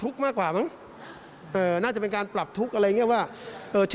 อืมเขาให้สัมภาษณ์อย่างนั้นเหรอ